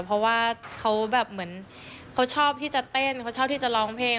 เพราะว่าเขาแบบเหมือนเขาชอบที่จะเต้นเขาชอบที่จะร้องเพลง